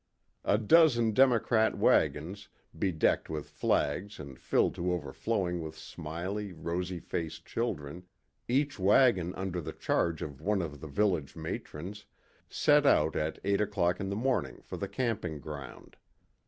A dozen democrat wagons, bedecked with flags and filled to overflowing with smiling, rosy faced children, each wagon under the charge of one of the village matrons, set out at eight o'clock in the morning for the camping ground.